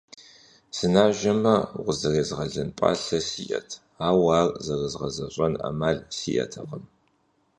Сынажэмэ, укъызэрезгъэлын пӀалъэ сиӀэт, ауэ ар зэрызгъэзэщӏэн Ӏэмал сиӀэтэкъым.